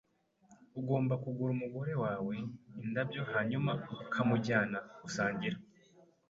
Ugomba kugura umugore wawe indabyo hanyuma ukamujyana gusangira.